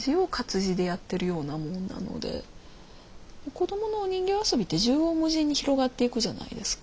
子供のお人形遊びって縦横無尽に広がっていくじゃないですか。